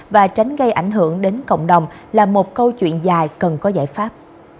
và tránh gây ảnh hưởng đến cộng đồng là một câu chuyện dài cần có giải pháp